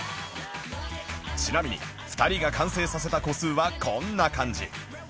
ちなみに２人が完成させた個数はこんな感じ